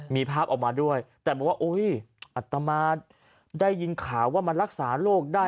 มีภาพออกมาด้วยแต่บอกว่าอัตมาได้ยินข่าวว่ามันรักษาโรคได้